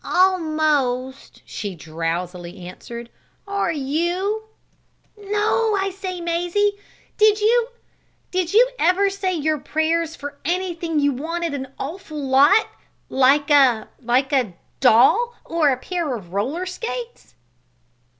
"Almost," she drowsily answered. "Are you?" "No. I say, Mazie, did you did you ever say your prayers for anything you wanted an awful lot, like a like a doll, or a pair of roller skates?"